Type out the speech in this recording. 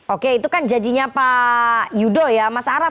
oke itu kan janjinya pak yudo ya mas araf